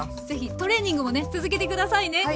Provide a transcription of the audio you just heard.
ぜひトレーニングもね続けて下さいね！